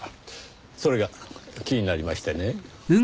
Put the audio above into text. それが気になりましてね。